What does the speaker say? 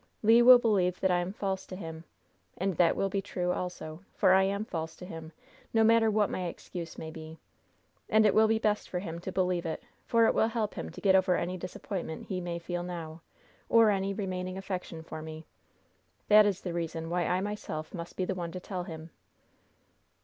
Le will believe that I am false to him. And that will be true also, for I am false to him, no matter what my excuse may be! And it will be best for him to believe it; for it will help him to get over any disappointment he may feel now, or any remaining affection for me. That is the reason why I myself must be the one to tell him."